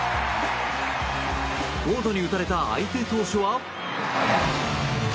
ウォードに打たれた相手投手は。